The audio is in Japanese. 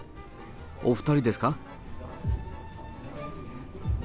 お２人ですか？